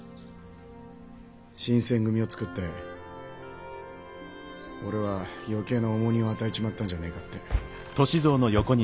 新選組をつくって俺は余計な重荷を与えちまったんじゃねえかって。